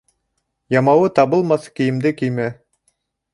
Ямауы табылмаҫ кейемде кеймә.